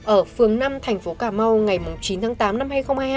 ở phương năm tp cà mau ngày chín tháng tám năm hai nghìn hai mươi hai